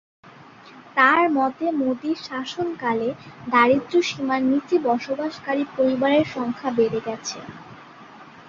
তার মতে মোদীর শাসনকালে দারিদ্র্য সীমার নিচে বসবাসকারী পরিবারের সংখ্যা বেড়ে গেছে।